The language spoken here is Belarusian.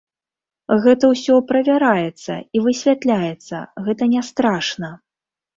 Гэта ўсё правяраецца і высвятляецца, гэта не страшна.